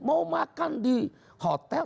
mau makan di hotel